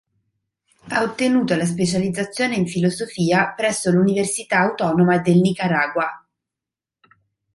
Ha ottenuto la specializzazione in filosofia presso l'Università Autonoma del Nicaragua.